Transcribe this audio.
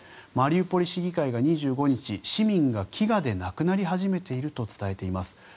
マリウポリ市議会が２５日市民が飢餓で亡くなり始めていると伝えています。